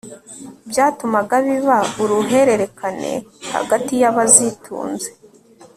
byatumaga biba uruhurerekane hagati y'abazitunze